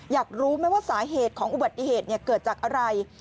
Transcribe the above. อยากรู้ไหมว่าสาเหตุของอุบัติเหตุเกิดจากอะไร